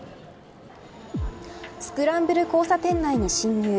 スクランブル交差点内に進入。